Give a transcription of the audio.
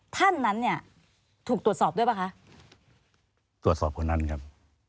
ท่านนั้นเนี่ยถูกตรวจสอบด้วยป่ะคะตรวจสอบคนนั้นครับ